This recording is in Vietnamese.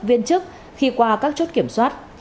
viên chức khi qua các chốt kiểm soát